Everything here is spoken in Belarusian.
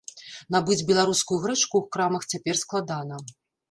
Набыць беларускую грэчку ў крамах цяпер складана.